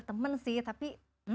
temen sih tapi